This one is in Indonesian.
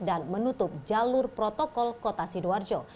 dan menutup jalur protokol kota sidoarjo